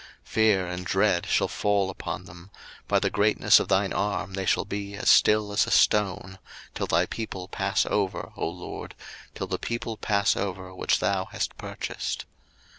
02:015:016 Fear and dread shall fall upon them; by the greatness of thine arm they shall be as still as a stone; till thy people pass over, O LORD, till the people pass over, which thou hast purchased.